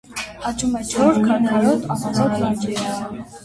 Աճում է չոր, քարքարոտ, ավազոտ լանջերին։